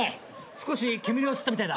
少し煙を吸ったみたいだ。